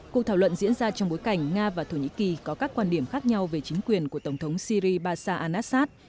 cuộc thảo luận diễn ra trong bối cảnh nga và thổ nhĩ kỳ có các quan điểm khác nhau về chính quyền của tổng thống syri basa anassad